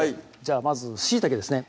まずしいたけですね